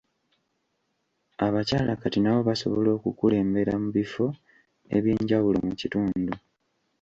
Abakyala kati nabo basobola okukulembera mu ebifo eby'enjawulo mu kitundu.